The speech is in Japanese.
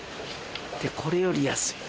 これより安い。